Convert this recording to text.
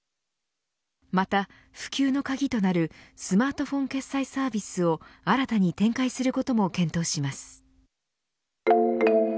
また普及のカギとなるスマートフォン決済サービスを新たに展開することも検討します。